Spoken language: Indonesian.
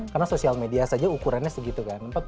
karena sosial media saja ukurannya segitu kan